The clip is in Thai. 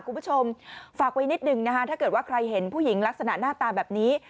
คุณผู้ชมฝากไว้นิดหนึ่งนะคะถ้าเกิดว่าใครเห็นผู้หญิงลักษณะหน้าตาแบบนี้